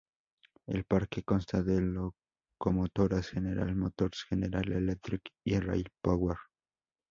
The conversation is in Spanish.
El parque consta de locomotoras General Motors, General Electric y Rail Power.